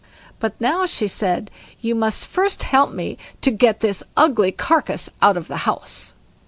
"But now", she said, "you must first help me to get this ugly carcass out of the house."